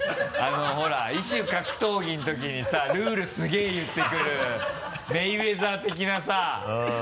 あのほら異種格闘技のときにさルールすげぇ言ってくるメイウェザー的なさ。